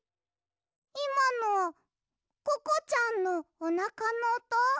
いまのココちゃんのおなかのおと？